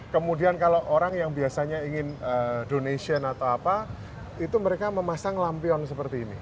kemudian kalau orang yang biasanya ingin donation atau apa itu mereka memasang lampion seperti ini